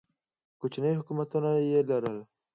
کوچني حکومتونه یې لرل